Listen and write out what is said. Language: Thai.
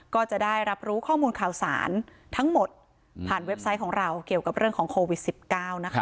ก็จะได้รับรู้ข้อมูลข่าวสารทั้งหมดผ่านเว็บไซต์ของเราเกี่ยวกับเรื่องของโควิด๑๙นะคะ